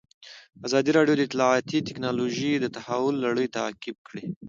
ازادي راډیو د اطلاعاتی تکنالوژي د تحول لړۍ تعقیب کړې.